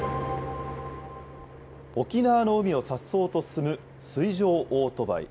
沖縄の海をさっそうと進む水上オートバイ。